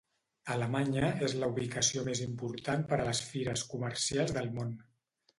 Alemanya és la ubicació més important per a les fires comercials del món.